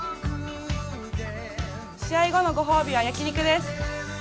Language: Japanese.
試合後のご褒美は焼き肉です。